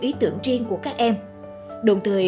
ý tưởng riêng của các em đồng thời